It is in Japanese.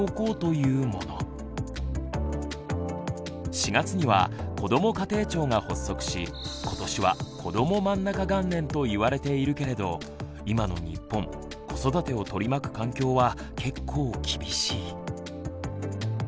今回のテーマはズバリこれは４月には「こども家庭庁」が発足し今年は「こどもまんなか元年」といわれているけれど今の日本子育てを取り巻く環境は結構厳しい。